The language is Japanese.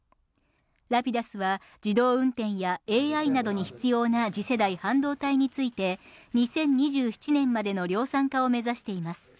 ラピダスは、自動運転やＡＩなどに必要な次世代半導体について、２０２７年までの量産化を目指しています。